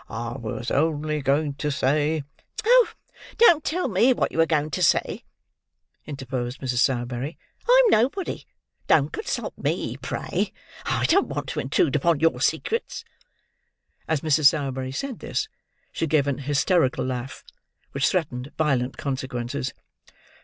I was only going to say—" "Oh, don't tell me what you were going to say," interposed Mrs. Sowerberry. "I am nobody; don't consult me, pray. I don't want to intrude upon your secrets." As Mrs. Sowerberry said this, she gave an hysterical laugh, which threatened violent consequences.